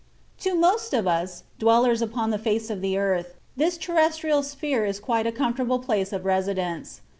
To most of us, dwellers upon the face of the earth, this terrestrial sphere is quite a comfortable place of residence.